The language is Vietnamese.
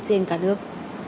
trên cả nước